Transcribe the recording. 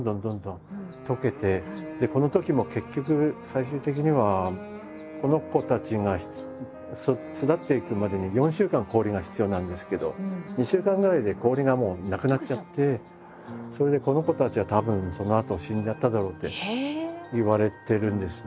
このときも結局最終的にはこの子たちが巣立っていくまでに４週間氷が必要なんですけど２週間ぐらいで氷がもうなくなっちゃってそれでこの子たちはたぶんそのあと死んじゃっただろうっていわれてるんですね。